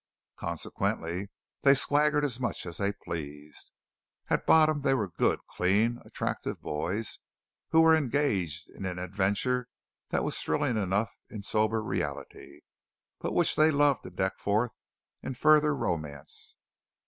Consequently they swaggered as much as they pleased. At bottom they were good, clean, attractive boys, who were engaged in an adventure that was thrilling enough in sober reality, but which they loved to deck forth in further romance.